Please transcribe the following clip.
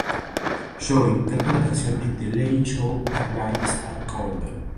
Joey cantó la canción en the late show with stephen colbert.